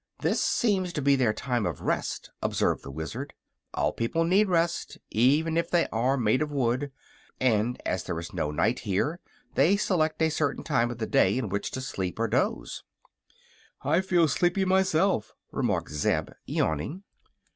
"This seems to be their time of rest," observed the Wizard. "All people need rest, even if they are made of wood, and as there is no night here they select a certain time of the day in which to sleep or doze." "I feel sleepy myself," remarked Zeb, yawning.